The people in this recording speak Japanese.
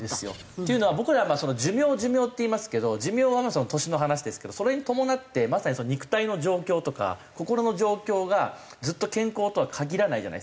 っていうのは僕らなんかは寿命寿命って言いますけど寿命は年の話ですけどそれに伴ってまさに肉体の状況とか心の状況がずっと健康とは限らないじゃないですか。